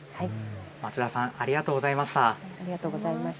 松田さん、ありがとうございました。